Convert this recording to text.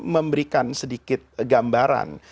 memberikan sedikit gambaran